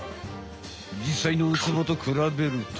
じっさいのウツボとくらべると。